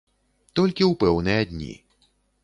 Толькі ў пэўныя дні.